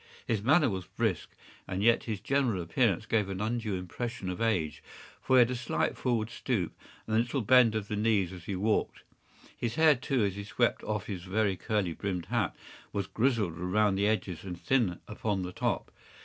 His manner was brisk, and yet his general appearance gave an undue impression of age, for he had a slight forward stoop and a little bend of the knees as he walked. His hair, too, as he swept off his very curly brimmed hat, was grizzled round the edges and thin upon the top.